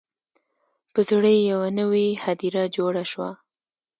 په زړه یې یوه نوي هدیره جوړه شوه